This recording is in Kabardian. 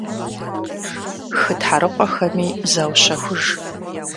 Хы тхьэрыкъуэхэми заущэхуж.